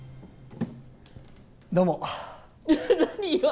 どうも。